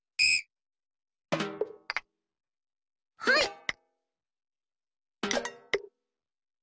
はい。